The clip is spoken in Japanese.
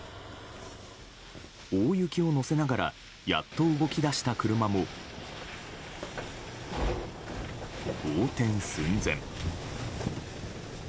大雪を載せながらやっと動き出した車も、横転寸前。